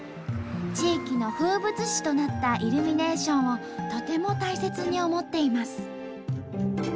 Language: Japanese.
地域の風物詩となったイルミネーションをとても大切に思っています。